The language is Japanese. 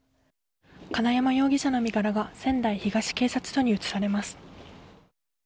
金山容疑者の身柄が仙台東警察署に移されます。